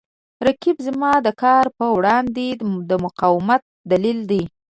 رقیب زما د کار په وړاندې د مقاومت دلیل دی